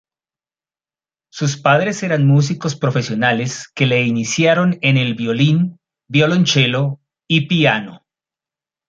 Sus padres eran músicos profesionales que le iniciaron en el violín, violonchelo y piano.